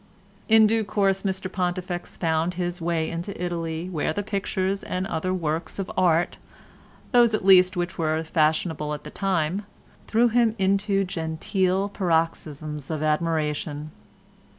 In due course Mr Pontifex found his way into Italy, where the pictures and other works of art—those, at least, which were fashionable at that time—threw him into genteel paroxysms of admiration.